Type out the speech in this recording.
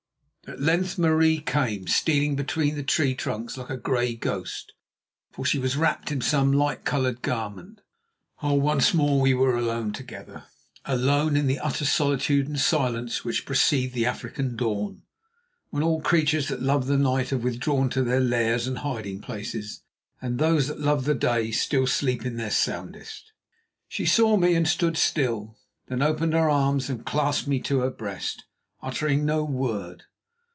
At length Marie came stealing between the tree trunks like a grey ghost, for she was wrapped in some light coloured garment. Oh! once more we were alone together. Alone in the utter solitude and silence which precede the African dawn, when all creatures that love the night have withdrawn to their lairs and hiding places, and those that love the day still sleep their soundest. She saw me and stood still, then opened her arms and clasped me to her breast, uttering no word.